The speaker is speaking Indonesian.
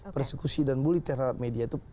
persekusi dan bully terhadap media itu